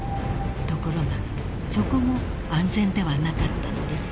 ［ところがそこも安全ではなかったのです］